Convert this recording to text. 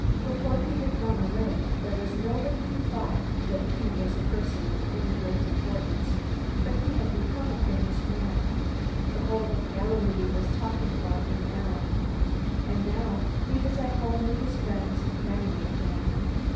Before he had gone away, there was nobody who thought that he was a person of any great importance. But he had become a famous man. The whole of Galilee was talking about him. And now he was at home with his friends and family again.